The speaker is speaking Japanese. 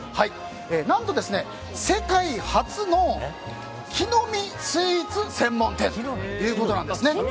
何と、世界初の木の実スイーツ専門店ということです。